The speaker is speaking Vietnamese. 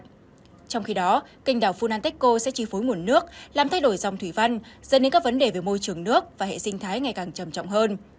trong khi đó kênh đảo funantechco sẽ chi phối nguồn nước làm thay đổi dòng thủy văn dẫn đến các vấn đề về môi trường nước và hệ sinh thái ngày càng trầm trọng hơn